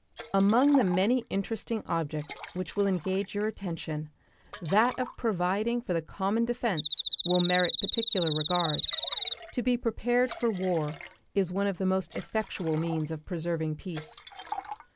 Among the many interesting objects which will engage your attention that of providing for the common defense will merit particular regard. To be prepared for war is one of the most effectual means of preserving peace.